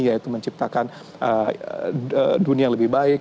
yaitu menciptakan dunia yang lebih baik